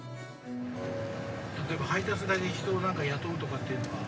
例えば配達だけ人を雇うとかっていうのは？